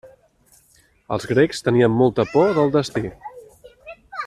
Els grecs tenien molta por del destí.